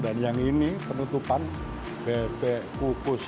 dan yang ini penutupan bebek pupus